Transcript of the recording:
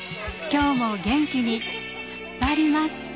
今日も元気にツッパります。